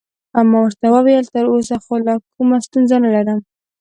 ما ورته وویل: تراوسه خو لا کومه ستونزه نلرم.